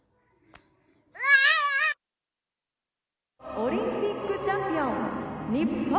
オリンピックチャンピオン日本！